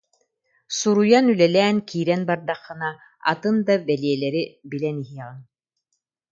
Суруйан-үлэлээн киирэн бардаххына атын да бэлиэлэри билэн иһиэҕиҥ